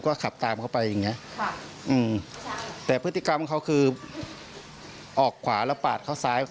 ก็ขับตามเขาไปอย่างเงี้ยค่ะอืมแต่พฤติกรรมเขาคือออกขวาแล้วปาดเข้าซ้าย